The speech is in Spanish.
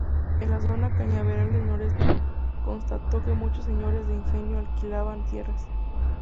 En la zona cañaveral del Noreste, constató que muchos señores de ingenio alquilaban tierras.